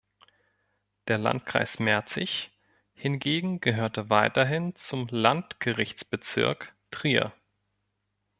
Der Landkreis Merzig hingegen gehörte weiterhin zum Landgerichtsbezirk Trier.